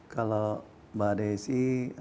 kalau mbak desi